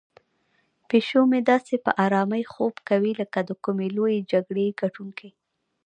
پیشو مې داسې په آرامۍ خوب کوي لکه د کومې لویې جګړې ګټونکی.